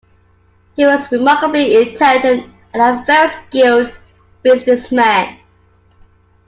He was remarkably intelligent and a very skilled businessman.